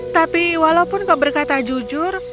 tapi walaupun kau berkata jujur